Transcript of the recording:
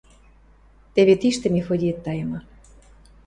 – Теве тиштӹ Мефодиэт тайымы...